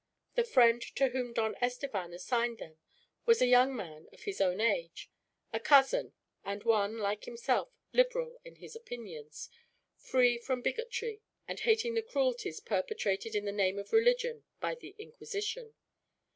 The friend to whom Don Estevan assigned them was a young man, of his own age; a cousin, and one, like himself, liberal in his opinions, free from bigotry, and hating the cruelties perpetrated in the name of religion by the Inquisition.